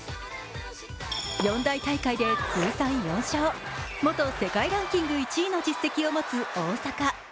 四大大会で通算４勝、元世界ランキング１位の実績を持つ大坂。